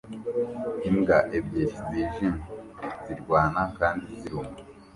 Imbwa ebyiri zijimye zirwana kandi ziruma